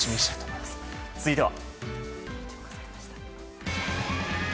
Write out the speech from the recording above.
続いては。